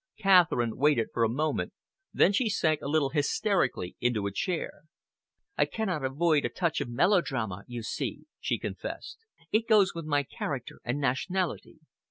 Catherine waited for a moment, then she sank a little hysterically into a chair. "I cannot avoid a touch of melodrama, you see," she confessed. "It goes with my character and nationality.